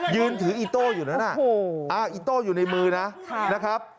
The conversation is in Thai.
ยืนถืออีโต้อยู่นั้นอีโต้อยู่ในมือนะครับ